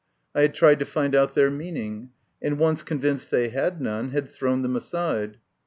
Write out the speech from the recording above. I had tried to find out their meaning ; and, once convinced they had none, had thrown them aside.